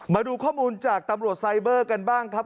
มาดูข้อมูลจากตำรวจไซเบอร์กันบ้างครับ